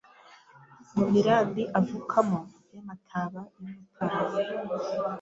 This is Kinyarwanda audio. Mu mirambi avukamo Y'amataba y'Umutara